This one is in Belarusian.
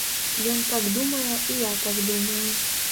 Ён так думае, і я так думаю.